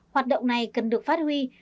hoạt động này cần được phát huy